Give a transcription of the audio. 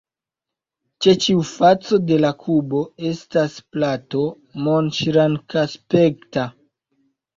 Ĉe ĉiu faco de la kubo estas plato, monŝrankaspekta.